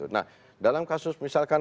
nah dalam kasus misalkan